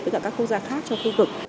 với các quốc gia khác trong khu vực